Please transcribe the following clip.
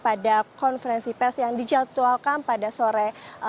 pada konferensi pers yang dijadwalkan pada sore